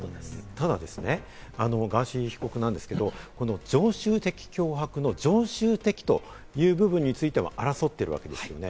ただガーシー被告なんですけれども、常習的脅迫の「常習的」という部分については争ってるわけですね。